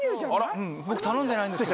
僕頼んでないんですけど。